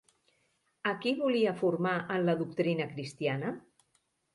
A qui volia formar en la doctrina cristiana?